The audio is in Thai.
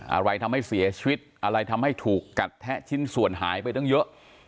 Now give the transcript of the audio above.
อะไรทำให้เสียชีวิตอะไรทำให้ถูกกัดแทะชิ้นส่วนหายไปตั้งเยอะ